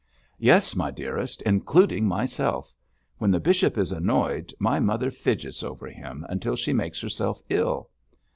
'Yes, my dearest, including myself. When the bishop is annoyed my mother fidgets over him until she makes herself ill.